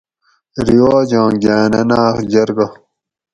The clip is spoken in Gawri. رواج آں گاۤن اۤ ناۤخ جرگہ